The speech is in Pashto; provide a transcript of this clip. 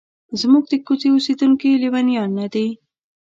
زموږ د کوڅې اوسیدونکي لیونیان نه دي.